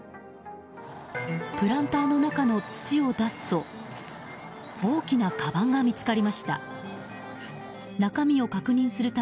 プランターの中の土を出すと大きなかばんが見つかりました。